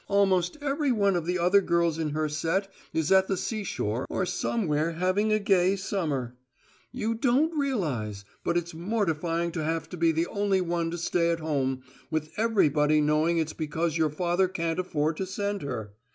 Almost every one of the other girls in her set is at the seashore or somewhere having a gay summer. You don't realize, but it's mortifying to have to be the only one to stay at home, with everybody knowing it's because your father can't afford to send her.